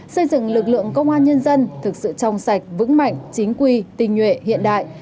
xây dựng lực lượng công an nhân dân thực sự trong sạch vững mạnh chính quy tình nhuệ hiện đại